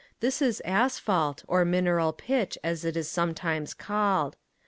This is asphalt, or mineral pitch as it is sometimes called.